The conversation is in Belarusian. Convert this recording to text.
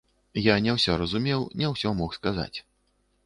Я не ўсё разумеў, не ўсё мог сказаць.